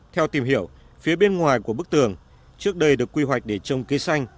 theo tìm hiểu phía bên ngoài của bức tường trước đây được quy hoạch để trồng cây xanh